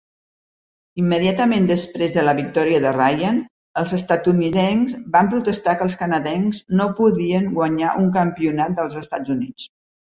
Immediatament després de la victòria de Ryan, els estatunidencs van protestar que els canadencs no podien guanyar un campionat dels Estats Units.